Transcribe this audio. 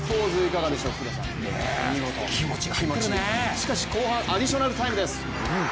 しかし後半、アディショナルタイムです。